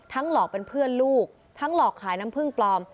หลอกเป็นเพื่อนลูกทั้งหลอกขายน้ำผึ้งปลอม